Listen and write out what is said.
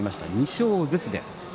２勝ずつです。